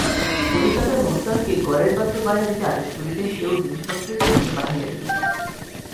কলিকাতার মোক্তারকে গড়ের বাদ্য বায়না দিতে আদেশ করিলেন এবং জিনিসপত্রের ফর্দ পাঠাইয়া দিলেন।